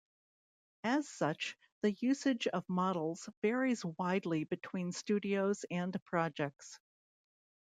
As such, the usage of models varies widely between studios and projects.